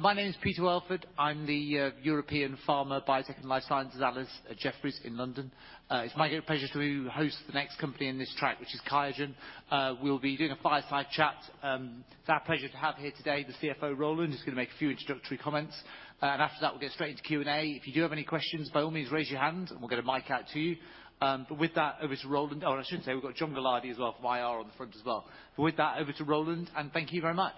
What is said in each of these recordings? My name's Peter Welford. I'm the European Pharma, Biotech, and Life Sciences analyst at Jefferies in London. It's my great pleasure to host the next company in this track, which is QIAGEN. We'll be doing a fireside chat. It's our pleasure to have here today the CFO, Roland, who's going to make a few introductory comments. And after that, we'll get straight into Q&A. If you do have any questions, by all means, raise your hand, and we'll get a mic out to you. But with that, over to Roland, oh, I shouldn't say. We've got John Gilardi as well from IR on the front as well. But with that, over to Roland, and thank you very much.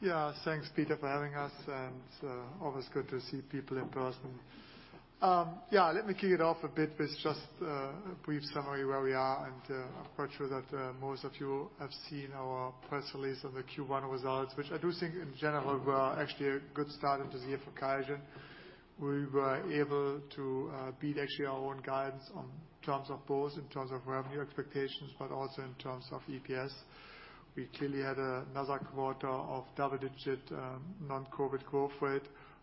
Yeah, thanks, Peter, for having us, and always good to see people in person. Yeah, let me kick it off a bit with just a brief summary of where we are. I'm quite sure that most of you have seen our press release on the Q1 results, which I do think, in general, were actually a good start and a year for QIAGEN. We were able to beat, actually, our own guidance in terms of both, in terms of revenue expectations, but also in terms of EPS. We clearly had another quarter of double-digit non-COVID growth rate,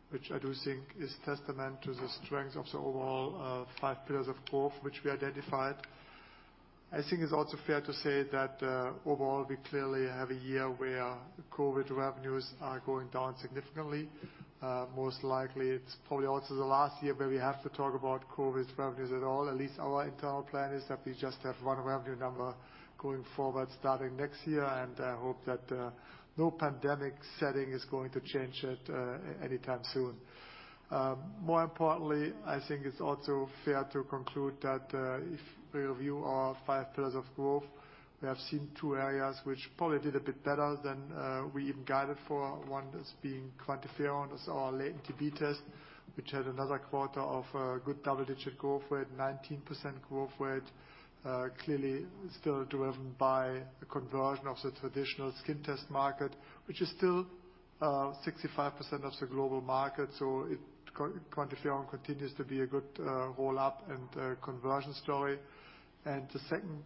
which I do think is a testament to the strength of the overall five pillars of growth, which we identified. I think it's also fair to say that, overall, we clearly have a year where COVID revenues are going down significantly. Most likely, it's probably also the last year where we have to talk about COVID revenues at all. At least our internal plan is that we just have one revenue number going forward starting next year, and I hope that no pandemic setting is going to change it anytime soon. More importantly, I think it's also fair to conclude that if we review our five pillars of growth, we have seen two areas which probably did a bit better than we even guided for, one being QuantiFERON, our latent TB test, which had another quarter of a good double-digit growth rate, 19% growth rate, clearly still driven by a conversion of the traditional skin test market, which is still 65% of the global market. So QuantiFERON continues to be a good roll-up and conversion story. The second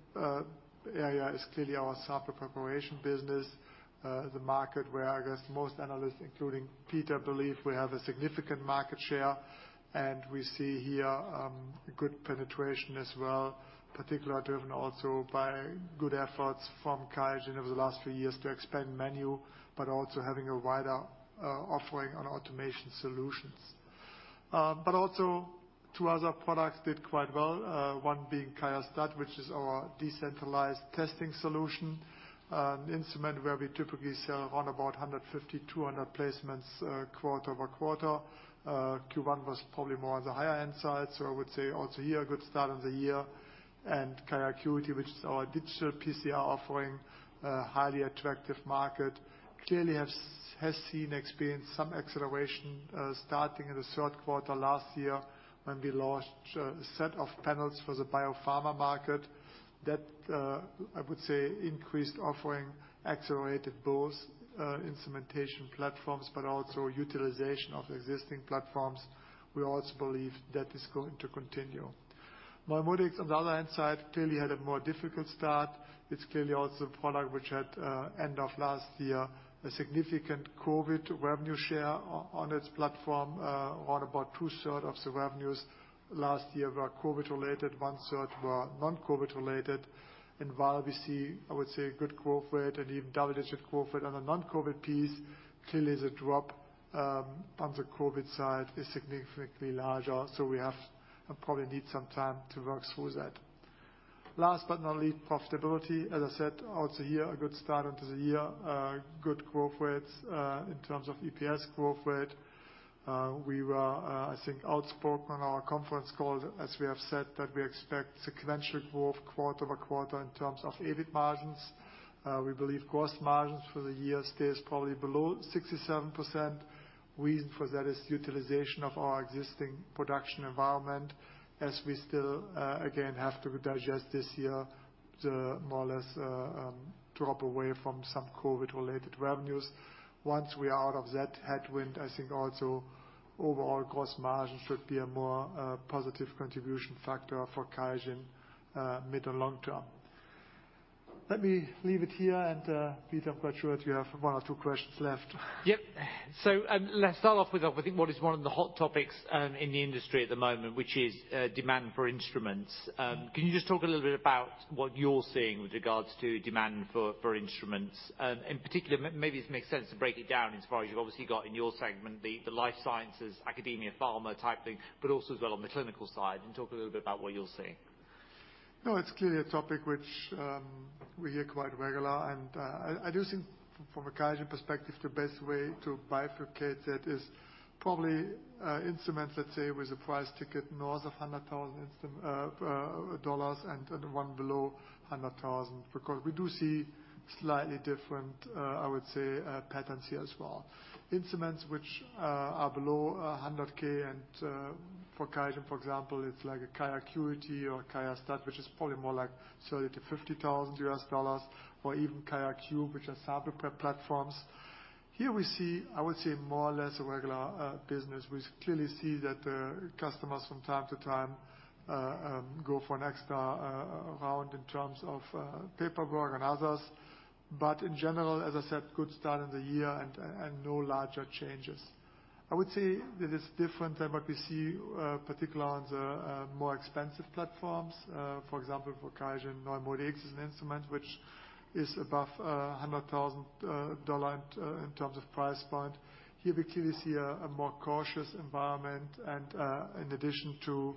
area is clearly our sample preparation business, the market where, I guess, most analysts, including Peter, believe we have a significant market share. We see here good penetration as well, particularly driven also by good efforts from QIAGEN over the last few years to expand menu, but also having a wider offering on automation solutions. Two other products did quite well, one being QIAstat, which is our decentralized testing solution, an instrument where we typically sell around 150-200 placements quarter over quarter. Q1 was probably more on the higher-end side, so I would say also here a good start on the year. QIAcuity, which is our digital PCR offering, a highly attractive market, clearly has seen and experienced some acceleration starting in the third quarter last year when we launched a set of panels for the biopharma market. That, I would say, increased offering, accelerated both instrumentation platforms, but also utilization of existing platforms. We also believe that is going to continue. NeuMoDx, on the other hand, clearly had a more difficult start. It's clearly also a product which had, end of last year, a significant COVID revenue share on its platform, around about two-thirds of the revenues last year were COVID-related, one-third were non-COVID-related. And while we see, I would say, a good growth rate and even double-digit growth rate on the non-COVID piece, clearly the drop on the COVID side is significantly larger, so we have and probably need some time to work through that. Last but not least, profitability. As I said, also here, a good start onto the year, good growth rates in terms of EPS growth rate. We were, I think, outspoken on our conference call, as we have said, that we expect sequential growth quarter over quarter in terms of EBIT margins. We believe gross margins for the year stays probably below 67%. Reason for that is utilization of our existing production environment, as we still, again, have to digest this year, more or less drop away from some COVID-related revenues. Once we are out of that headwind, I think also overall gross margin should be a more positive contribution factor for QIAGEN mid and long term. Let me leave it here, and Peter, I'm quite sure that you have one or two questions left. Yep. So let's start off with, I think, what is one of the hot topics in the industry at the moment, which is demand for instruments. Can you just talk a little bit about what you're seeing with regards to demand for instruments? In particular, maybe it makes sense to break it down as far as you've obviously got in your segment, the life sciences, academia, pharma type thing, but also as well on the clinical side, and talk a little bit about what you're seeing. No, it's clearly a topic which we hear quite regularly, and I do think from a QIAGEN perspective, the best way to bifurcate that is probably instruments, let's say, with a price ticket north of $100,000 and one below $100,000, because we do see slightly different, I would say, patterns here as well. Instruments which are below $100K, and for QIAGEN, for example, it's like QIAcuity or QIAstat, which is probably more like $30,000-$50,000, or even QIAcube, which are sample prep platforms. Here we see, I would say, more or less a regular business. We clearly see that customers from time to time go for an extra round in terms of paperwork and others, but in general, as I said, good start on the year and no larger changes. I would say that it's different than what we see, particularly on the more expensive platforms. For example, for QIAGEN, NeuMoDx is an instrument which is above $100,000 in terms of price point. Here we clearly see a more cautious environment, and in addition to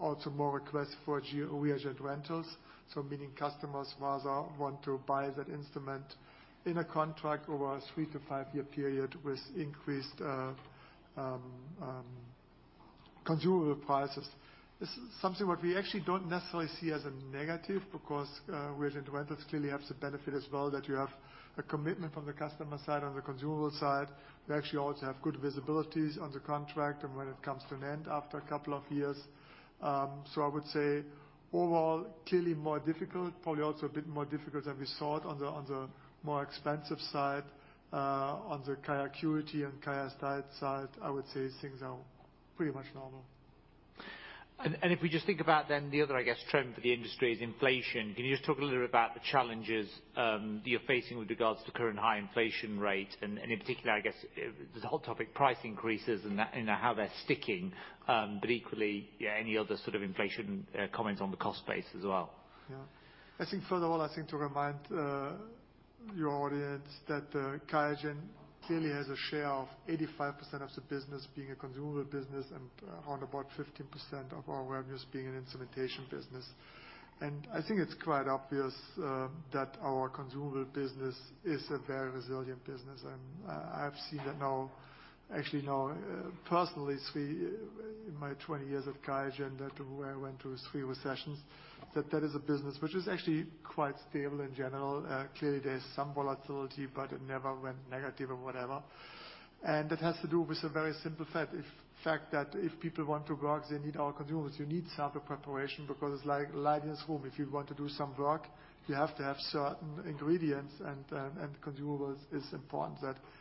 also more requests for reagent rentals, so meaning customers rather want to buy that instrument in a contract over a three to five-year period with increased consumable prices. This is something that we actually don't necessarily see as a negative, because reagent rentals clearly have the benefit as well that you have a commitment from the customer side on the consumable side. You actually also have good visibilities on the contract and when it comes to an end after a couple of years. So I would say overall, clearly more difficult, probably also a bit more difficult than we saw it on the more expensive side. On the QIAcuity and QIAstat side, I would say things are pretty much normal. If we just think about then the other, I guess, trend for the industry is inflation. Can you just talk a little bit about the challenges that you're facing with regards to current high inflation rate? In particular, I guess, the whole topic price increases and how they're sticking, but equally, yeah, any other sort of inflation comments on the cost base as well. Yeah. I think furthermore, I think to remind your audience that QIAGEN clearly has a share of 85% of the business being a consumable business and around about 15% of our revenues being an instrumentation business. And I think it's quite obvious that our consumable business is a very resilient business. And I've seen that now, actually now personally, in my 20 years at QIAGEN that I went through three recessions, that that is a business which is actually quite stable in general. Clearly, there is some volatility, but it never went negative or whatever. And that has to do with a very simple fact, the fact that if people want to work, they need our consumables. You need sample preparation because it's like lighting a room. If you want to do some work, you have to have certain ingredients, and consumables is important.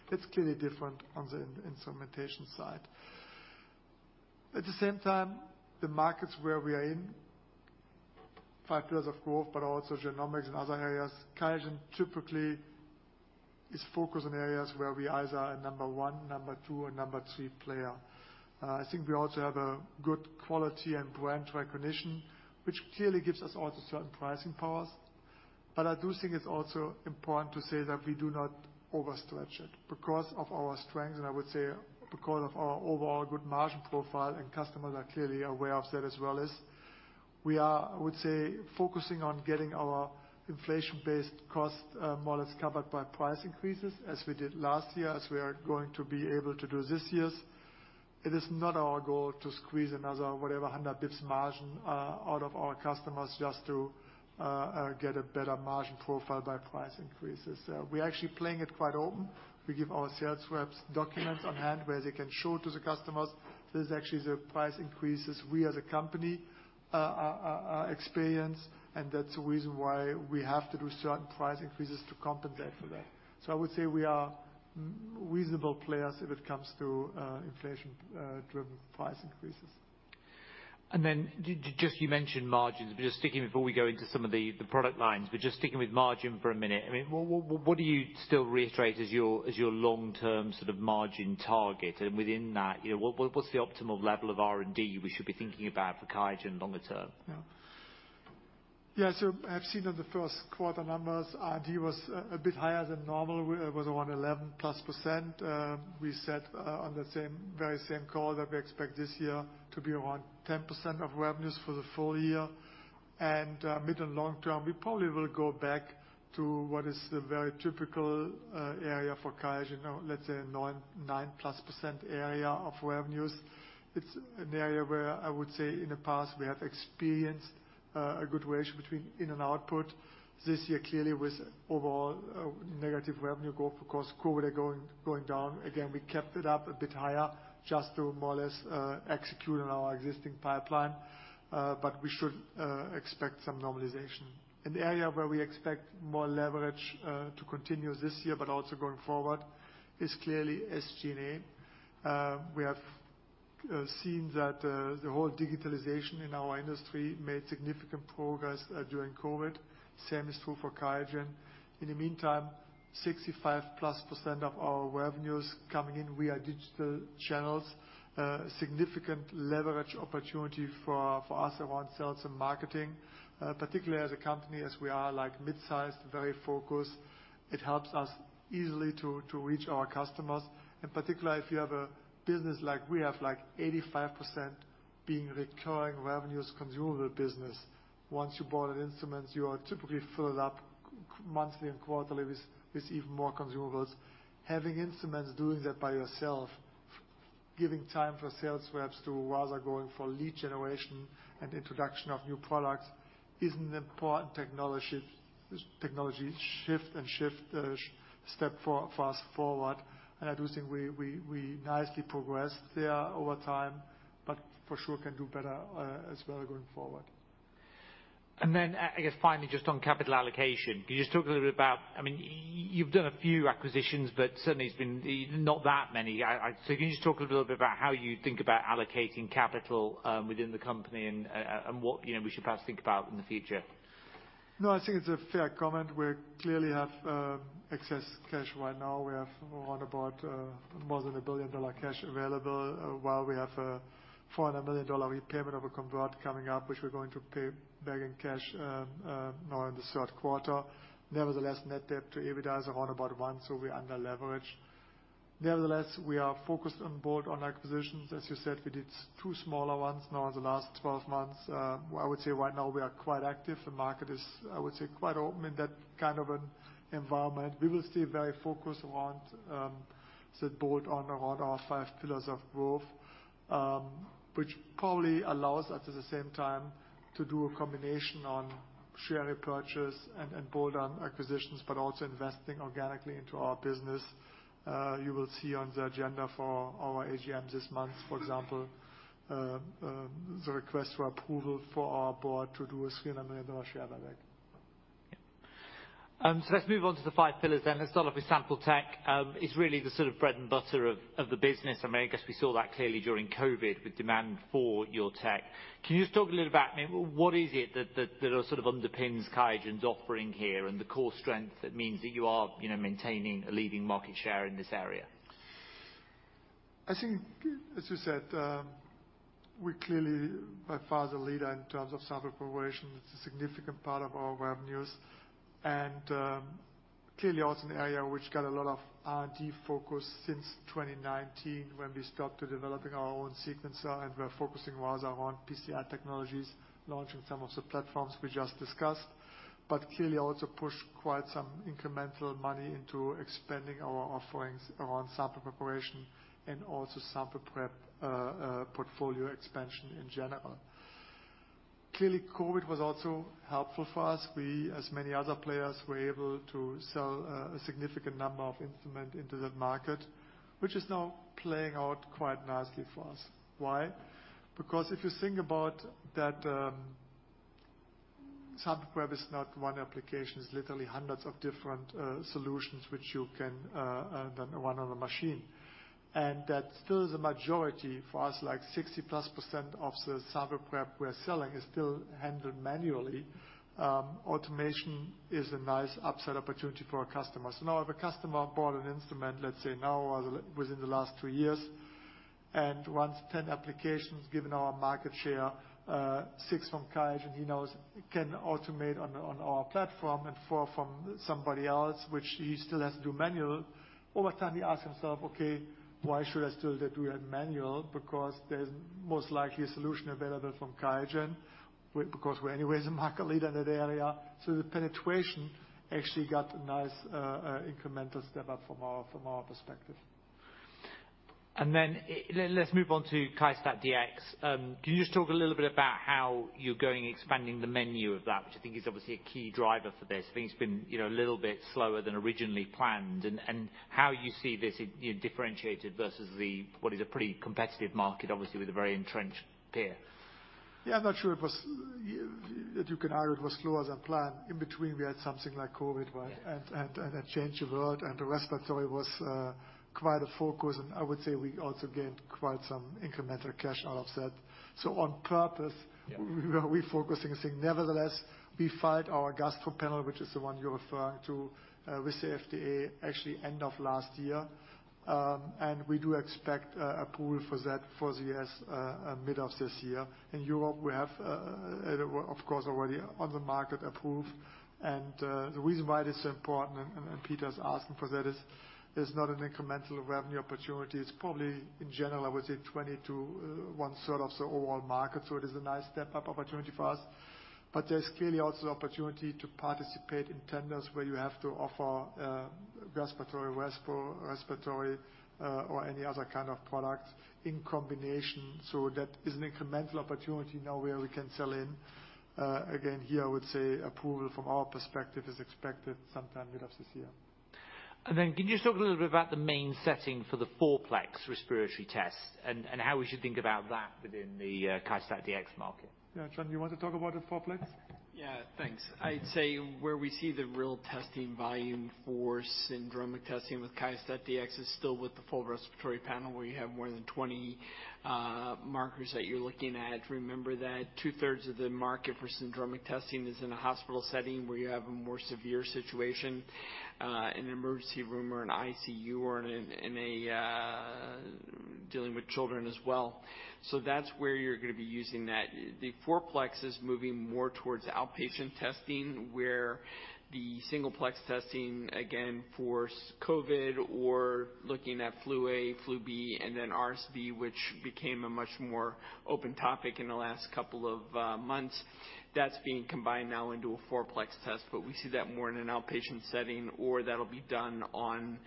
That's clearly different on the instrumentation side. At the same time, the markets where we are in, five pillars of growth, but also genomics and other areas, QIAGEN typically is focused on areas where we either are a number one, number two, or number three player. I think we also have a good quality and brand recognition, which clearly gives us also certain pricing powers. But I do think it's also important to say that we do not overstretch it because of our strengths, and I would say because of our overall good margin profile, and customers are clearly aware of that as well. We are, I would say, focusing on getting our inflation-based cost models covered by price increases, as we did last year, as we are going to be able to do this year. It is not our goal to squeeze another whatever 100 basis points margin out of our customers just to get a better margin profile by price increases. We're actually playing it quite open. We give our sales reps documents on hand where they can show to the customers this is actually the price increases we as a company experience, and that's the reason why we have to do certain price increases to compensate for that, so I would say we are reasonable players if it comes to inflation-driven price increases. And then just you mentioned margins, but just sticking before we go into some of the product lines, but just sticking with margin for a minute, I mean, what do you still reiterate as your long-term sort of margin target? And within that, what's the optimal level of R&D we should be thinking about for QIAGEN longer term? Yeah. Yeah, so I've seen on the first quarter numbers, R&D was a bit higher than normal. It was around 11+%. We said on that very same call that we expect this year to be around 10% of revenues for the full year. And mid and long term, we probably will go back to what is the very typical area for QIAGEN, let's say a 9+% area of revenues. It's an area where I would say in the past we have experienced a good ratio between in and output. This year, clearly, with overall negative revenue growth because COVID is going down. Again, we kept it up a bit higher just to more or less execute on our existing pipeline, but we should expect some normalization. An area where we expect more leverage to continue this year, but also going forward, is clearly SG&A. We have seen that the whole digitalization in our industry made significant progress during COVID. Same is true for QIAGEN. In the meantime, 65+% of our revenues coming in via digital channels, significant leverage opportunity for us around sales and marketing, particularly as a company as we are mid-sized, very focused. It helps us easily to reach our customers. In particular, if you have a business like we have, like 85% being recurring revenues, consumable business. Once you bought an instrument, you are typically filled up monthly and quarterly with even more consumables. Having instruments doing that by yourself, giving time for sales reps to rather going for lead generation and introduction of new products is an important technology shift and step fast forward, and I do think we nicely progressed there over time, but for sure can do better as well going forward. I guess, finally, just on capital allocation, can you just talk a little bit about, I mean, you've done a few acquisitions, but certainly it's been not that many, so can you just talk a little bit about how you think about allocating capital within the company and what we should perhaps think about in the future? No, I think it's a fair comment. We clearly have excess cash right now. We have more than $1 billion in cash available while we have a $400 million repayment of a convertible coming up, which we're going to pay back in cash in the third quarter. Nevertheless, net debt to EBITDA is around about one, so we're under leverage. Nevertheless, we are focused on bolt-on acquisitions. As you said, we did two smaller ones in the last 12 months. I would say right now we are quite active. The market is, I would say, quite open in that kind of an environment. We will stay very focused, the board, on our five pillars of growth, which probably allows us at the same time to do a combination of share repurchase and bolt-on acquisitions, but also investing organically into our business. You will see on the agenda for our AGM this month, for example, the request for approval for our board to do a $300 million share buyback. Yeah. So let's move on to the five pillars then. Let's start off with sample tech. It's really the sort of bread and butter of the business. I mean, I guess we saw that clearly during COVID with demand for your tech. Can you just talk a little about, I mean, what is it that sort of underpins QIAGEN's offering here and the core strength that means that you are maintaining a leading market share in this area? I think, as you said, we're clearly by far the leader in terms of sample preparation. It's a significant part of our revenues, and clearly also an area which got a lot of R&D focus since 2019 when we stopped developing our own sequencer and were focusing rather on PCR technologies, launching some of the platforms we just discussed, but clearly also pushed quite some incremental money into expanding our offerings around sample preparation and also sample prep portfolio expansion in general. Clearly, COVID was also helpful for us. We, as many other players, were able to sell a significant number of instruments into that market, which is now playing out quite nicely for us. Why? Because if you think about that, sample prep is not one application. It's literally hundreds of different solutions which you can run on a machine. That still is a majority for us, like 60+% of the sample prep we're selling is still handled manually. Automation is a nice upside opportunity for our customers. Now, if a customer bought an instrument, let's say now within the last two years, and runs 10 applications given our market share, six from QIAGEN, he now can automate on our platform and four from somebody else, which he still has to do manually, over time he asks himself, "Okay, why should I still do that manually?" Because there's most likely a solution available from QIAGEN, because we're anyways a market leader in that area. The penetration actually got a nice incremental step up from our perspective. Then let's move on to QIAstat-Dx. Can you just talk a little bit about how you're expanding the menu of that, which I think is obviously a key driver for this? I think it's been a little bit slower than originally planned. How you see this differentiated versus what is a pretty competitive market, obviously, with a very entrenched peer? Yeah, I'm not sure that you can argue it was slower than planned. In between, we had something like COVID and a change of world, and the respiratory was quite a focus. And I would say we also gained quite some incremental cash out of that. So on purpose, we were refocusing and saying, "Nevertheless, we filed our Gastro panel, which is the one you're referring to, with the FDA actually end of last year." And we do expect approval for that for the mid of this year. In Europe, we have, of course, already on the market approved. And the reason why it is so important, and Peter's asking for that, is not an incremental revenue opportunity. It's probably in general, I would say, 20 to one-third of the overall market. So it is a nice step-up opportunity for us. But there's clearly also the opportunity to participate in tenders where you have to offer respiratory or any other kind of product in combination. So that is an incremental opportunity now where we can sell in. Again, here, I would say approval from our perspective is expected sometime mid of this year. Can you just talk a little bit about the main setting for the 4-plex respiratory test and how we should think about that within the QIAstat-Dx market? Yeah, John, you want to talk about the 4-plex? Yeah, thanks. I'd say where we see the real testing volume for syndromic testing with QIAstat-Dx is still with the full respiratory panel where you have more than 20 markers that you're looking at. Remember that two-thirds of the market for syndromic testing is in a hospital setting where you have a more severe situation in an emergency room or an ICU or dealing with children as well. So that's where you're going to be using that. The 4-plex is moving more towards outpatient testing where the single-plex testing, again, for COVID or looking at flu A, flu B, and then RSV, which became a much more open topic in the last couple of months, that's being combined now into a 4-plex test. But we see that more in an outpatient setting or that'll be done on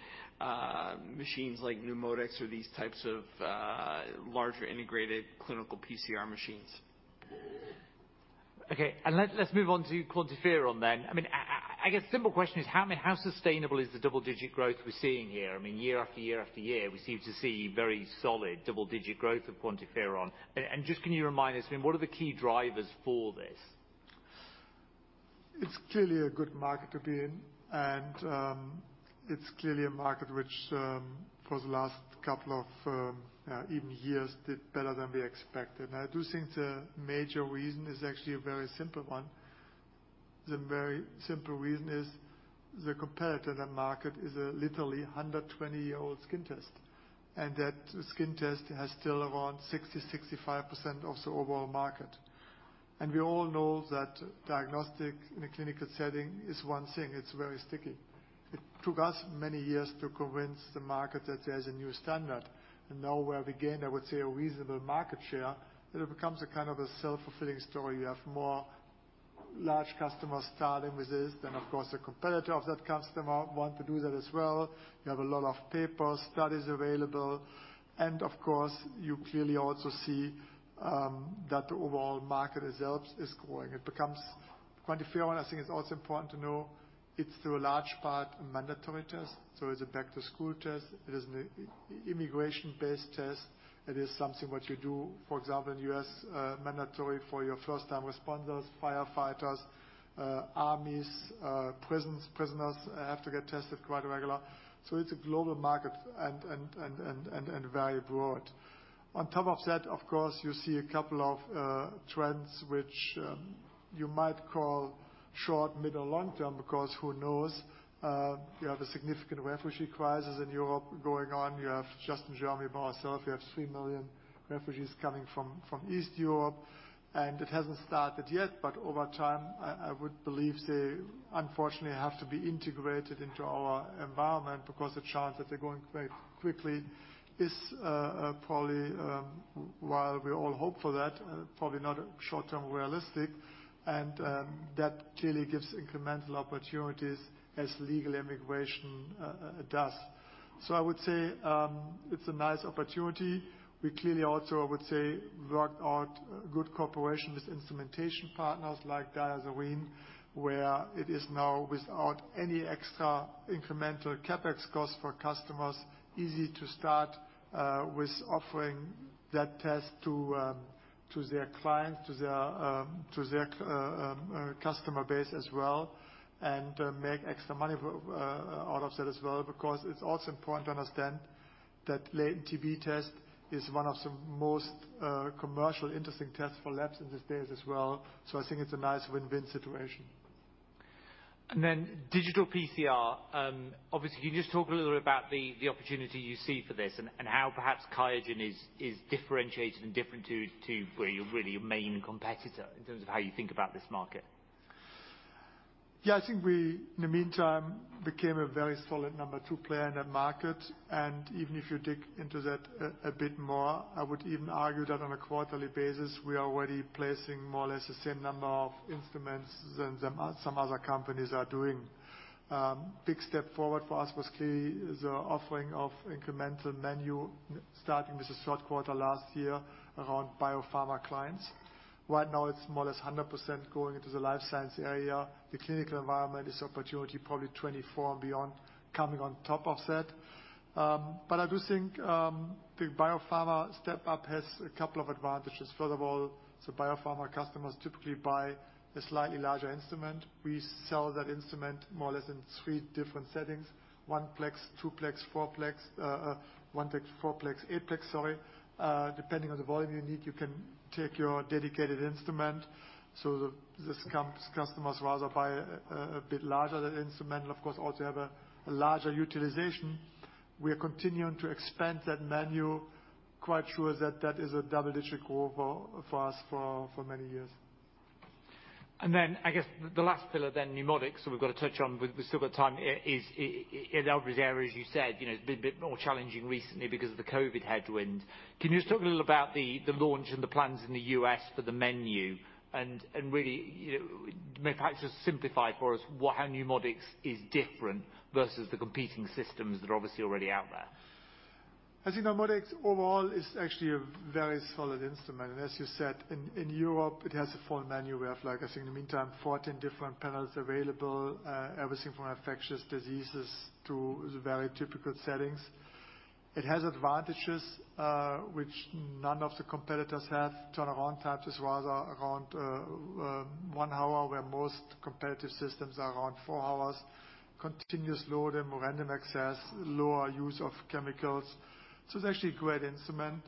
machines like NeuMoDx or these types of larger integrated clinical PCR machines. Okay. And let's move on to QuantiFERON then. I mean, I guess simple question is, how sustainable is the double-digit growth we're seeing here? I mean, year after year after year, we seem to see very solid double-digit growth of QuantiFERON. And just can you remind us, I mean, what are the key drivers for this? It's clearly a good market to be in, and it's clearly a market which for the last couple of even years did better than we expected. And I do think the major reason is actually a very simple one. The very simple reason is the competitor in that market is a literally 120-year-old skin test. And that skin test has still around 60%-65% of the overall market. And we all know that diagnostic in a clinical setting is one thing. It's very sticky. It took us many years to convince the market that there's a new standard. And now where we gain, I would say, a reasonable market share, it becomes a kind of a self-fulfilling story. You have more large customers starting with this than, of course, the competitor of that customer want to do that as well. You have a lot of papers, studies available. Of course, you clearly also see that the overall market itself is growing. It becomes QuantiFERON. I think it's also important to know it's to a large part a mandatory test. So it's a back-to-school test. It is an immigration-based test. It is something what you do, for example, in the US, mandatory for your first-time responders, firefighters, armies, prisoners have to get tested quite regular. So it's a global market and very broad. On top of that, of course, you see a couple of trends which you might call short, mid, or long term because who knows? You have a significant refugee crisis in Europe going on. You have just in Germany by ourselves, you have three million refugees coming from East Europe. And it hasn't started yet, but over time, I would believe they unfortunately have to be integrated into our environment because the chance that they're going quite quickly is probably, while we all hope for that, probably not short-term realistic. And that clearly gives incremental opportunities as legal immigration does. So I would say it's a nice opportunity. We clearly also, I would say, worked out good cooperation with instrumentation partners like DiaSorin, where it is now without any extra incremental CapEx cost for customers, easy to start with offering that test to their clients, to their customer base as well, and make extra money out of that as well because it's also important to understand that latent TB test is one of the most commercial interesting tests for labs in these days as well. So I think it's a nice win-win situation. And then Digital PCR, obviously, can you just talk a little bit about the opportunity you see for this and how perhaps QIAGEN is differentiated and different to really your main competitor in terms of how you think about this market? Yeah, I think we in the meantime became a very solid number two player in that market. And even if you dig into that a bit more, I would even argue that on a quarterly basis, we are already placing more or less the same number of instruments than some other companies are doing. Big step forward for us was clearly the offering of incremental menu starting this third quarter last year around biopharma clients. Right now, it's more or less 100% going into the life science area. The clinical environment is opportunity probably 2024 and beyond coming on top of that. But I do think the biopharma step-up has a couple of advantages. First of all, the biopharma customers typically buy a slightly larger instrument. We sell that instrument more or less in three different settings: 1-plex, 2-plex, 4-plex, 1-plex, 4-plex, 8-plex, sorry. Depending on the volume you need, you can take your dedicated instrument. So this customer's rather buy a bit larger than the instrument and, of course, also have a larger utilization. We are continuing to expand that menu. Quite sure that that is a double-digit growth for us for many years. And then I guess the last pillar then, NeuMoDx, so we've got to touch on, we've still got time here, is in the obvious area, as you said. It's been a bit more challenging recently because of the COVID headwind. Can you just talk a little about the launch and the plans in the U.S. for the menu? And really, perhaps just simplify for us how NeuMoDx is different versus the competing systems that are obviously already out there. As you know, NeuMoDx overall is actually a very solid instrument, and as you said, in Europe, it has a full menu where I think in the meantime, 14 different panels available, everything from infectious diseases to very typical settings. It has advantages which none of the competitors have. Turnaround time is rather around one hour, where most competitive systems are around four hours. Continuous load and random access, lower use of chemicals, so it's actually a great instrument.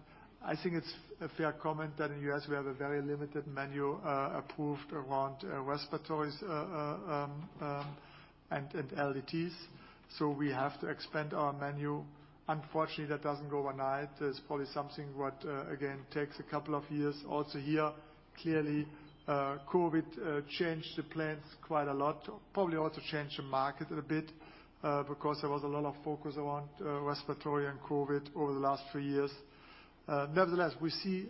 I think it's a fair comment that in the U.S., we have a very limited menu approved around respiratory and LDTs, so we have to expand our menu. Unfortunately, that doesn't go overnight. It's probably something what, again, takes a couple of years. Also here, clearly, COVID changed the plans quite a lot, probably also changed the market a bit because there was a lot of focus around respiratory and COVID over the last few years. Nevertheless, we see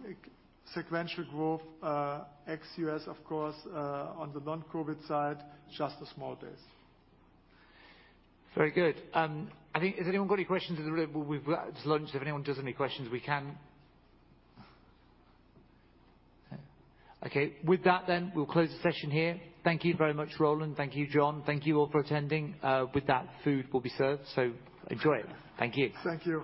sequential growth. ex-U.S., of course, on the non-COVID side, just a small base. Very good. I think. Has anyone got any questions? We've just launched. If anyone does have any questions, we can. Okay. With that then, we'll close the session here. Thank you very much, Roland. Thank you, John. Thank you all for attending. With that, food will be served. So enjoy it. Thank you. Thank you.